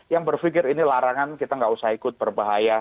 yang berpikir ini larangan kita nggak usah ikut berbahaya